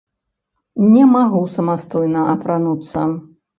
Не магу самастойна апрануцца.